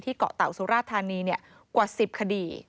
ที่เกาะเตาสุราธารณีเนี่ยกว่า๑๐คดี